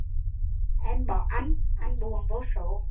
Em bỏ anh, anh buồn vô số